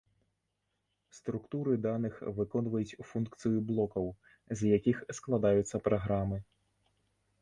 Структуры даных выконваюць функцыю блокаў, з якіх складаюцца праграмы.